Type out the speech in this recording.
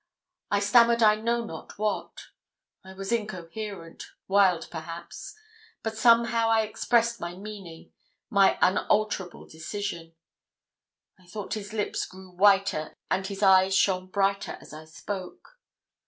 I stammered I know not what. I was incoherent wild, perhaps; but somehow I expressed my meaning my unalterable decision. I thought his lips grew whiter and his eyes shone brighter as I spoke.